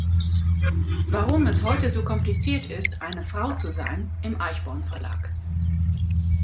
Warum es heute so kompliziert ist, eine Frau zu sein" im Eichborn Verlag.